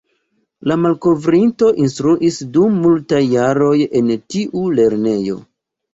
La malkovrinto instruis dum multaj jaroj en tiu lernejo.